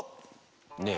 ねえ